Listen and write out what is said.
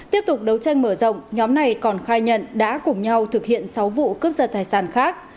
tiếp tục đấu tranh mở rộng nhóm này còn khai nhận đã cùng nhau thực hiện sáu vụ cướp giật tài sản khác